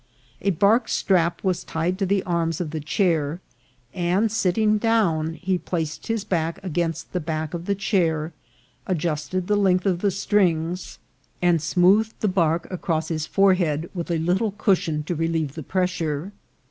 A bark strap was tied to the arms of the chair, and, sitting down, he placed his back against the back of the chair, adjusted the length of the strings, A PRECARIOUS SITUATION. 275 and smoothed the bark across his forehead with a little cushion to relieve the pressure.